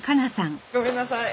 ごめんなさい。